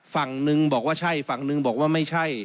ฝั่งหนึ่งบอกว่าใช่ฝั่งหนึ่งบอกว่าไม่ใช่